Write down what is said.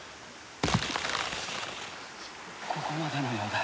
ここまでのようだ。